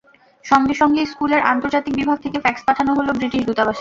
সঙ্গে সঙ্গে স্কুলের আন্তর্জাতিক বিভাগ থেকে ফ্যাক্স পাঠানো হলো ব্রিটিশ দূতাবাসে।